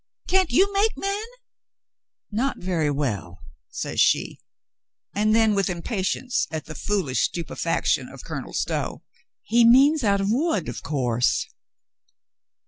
"Can't you make men ?" "Not very well," says she, and then, with impa tience at the foolish stupefaction of Colonel Stow: "He means out of wood, of course."